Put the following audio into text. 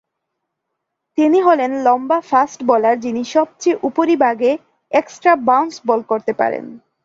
তিনি হলেন লম্বা ফাস্ট বোলার যিনি সবচেয়ে উপরিভাগে এক্সট্রা বাউন্স বল করতে পারেন।